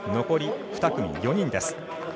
残り２組４人です。